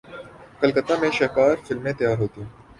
کلکتہ میں شاہکار فلمیں تیار ہوتیں۔